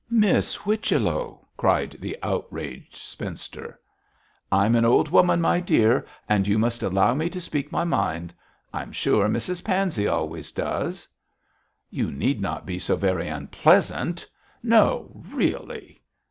'Miss Whichello!' cried the outraged spinster. 'I'm an old woman, my dear, and you must allow me to speak my mind. I'm sure Mrs Pansey always does.' 'You need not be so very unpleasant! No, really!'